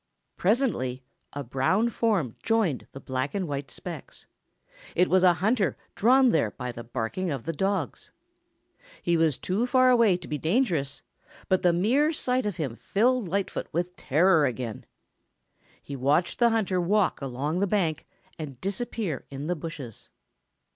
Presently a brown form joined the black and white specks. It was a hunter drawn there by the barking of the dogs. He was too far away to be dangerous, but the mere sight of him filled Lightfoot with terror again. He watched the hunter walk along the bank and disappear in the bushes.